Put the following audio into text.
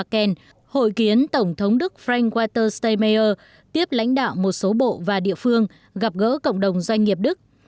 trong chuyến thăm đức angela merkel hội kiến tổng thống đức frank walter steinmeier tiếp lãnh đạo một số bộ và địa phương gặp gỡ cộng đồng doanh nghiệp đức